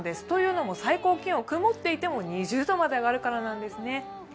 というのも最高気温、曇っていても２０度まで上がるからなんですね。